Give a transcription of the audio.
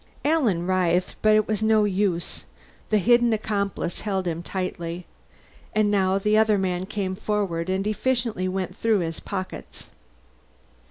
Alan writhed, but it was no use. The hidden accomplice held him tightly. And now the other man came forward and efficiently went through his pockets.